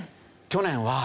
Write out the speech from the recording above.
去年は。